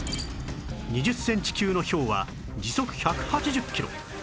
２０センチ級のひょうは時速１８０キロ